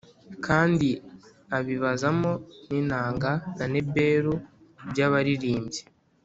kandi abibāzamo n’inanga na nebelu by’abaririmbyi